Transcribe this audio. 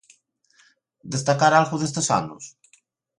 Destacar algo destes anos?